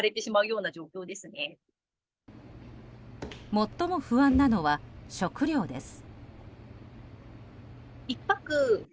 最も不安なのは食料です。